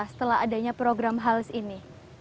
setelah adanya program hals ini